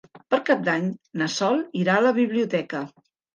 Per Cap d'Any na Sol irà a la biblioteca.